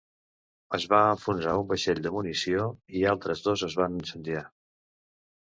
Es va enfonsar un vaixell de munició, i altres dos es van incendiar.